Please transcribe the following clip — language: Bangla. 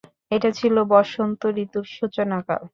এটা ছিল বসন্ত ঋতুর সূচনাকাল।